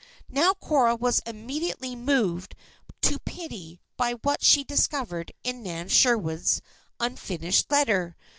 Now Cora was immediately moved to pity by what she had discovered in Nan Sherwood's unfinished letter.